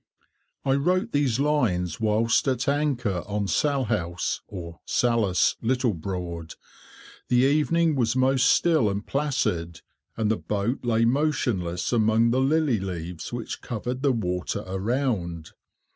I wrote these lines whilst at anchor on Salhouse Little Broad. The evening was most still and placid, and the boat lay motionless among the lily leaves which covered the water around.